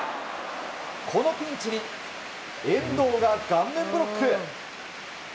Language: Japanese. このピンチに遠藤が顔面ブロック。